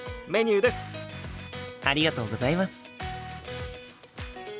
ありがとうございます。